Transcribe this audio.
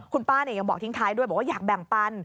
คุณป้ายังบอกทิ้งท้ายด้วยบอกว่าอยากแบ่งปัน